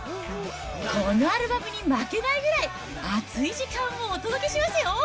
このアルバムに負けないぐらい熱い時間をお届けしますよ。